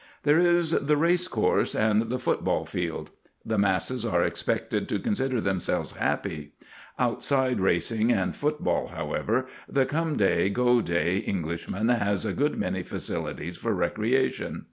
There is the race course and the football field. The masses are expected to consider themselves happy. Outside racing and football, however, the come day, go day Englishman has a good many facilities for recreation.